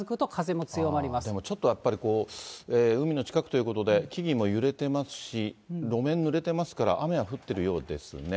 ちょっとやっぱり、海の近くということで、木々も揺れてますし、路面、ぬれてますから、雨は降ってるようですね。